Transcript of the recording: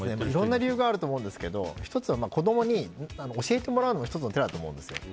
いろんな理由があると思うんですけど１つは子供に教えてもらうのも１つの手だと思うんです。